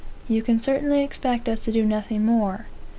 You can certainly expect us to do nothing more.